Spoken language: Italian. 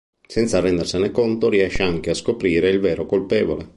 Senza rendersene conto riesce anche a scoprire il vero colpevole.